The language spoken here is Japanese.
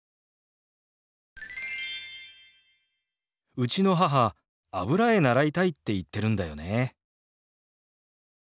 うちの母油絵習いたいって言ってるんだよね。